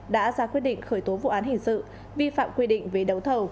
đã ra quyết định khởi tố vụ án hình sự vi phạm quy định về đấu thầu